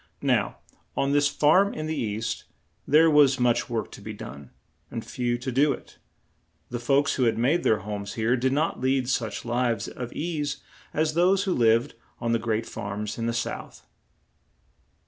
Now, on this farm in the east, there was much work to be done, and few to do it; the folks who had made their homes here did not lead such lives of ease as those who lived on the great farms in the South.